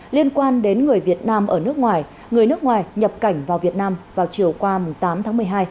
liên quan đến người việt nam ở nước ngoài người nước ngoài nhập cảnh vào việt nam vào chiều qua tám tháng một mươi hai